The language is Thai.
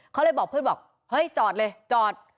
เขาเลยบอกเพื่อนบอกเฮ้ยจอดเลยจอด